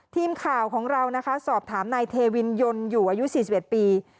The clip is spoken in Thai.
ทีมข่าวของเรานะคะสอบถามนายเทวินยนต์อยู่อายุ๔๑ปี